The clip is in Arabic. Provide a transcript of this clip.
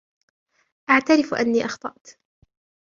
أعترف أني أخطأت.